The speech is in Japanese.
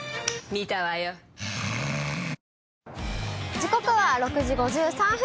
時刻は６時５３分。